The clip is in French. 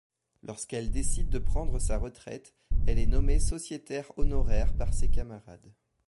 Lorsqu'elle décide de prendre sa retraite, elle est nommée sociétaire honoraire par ses camarades.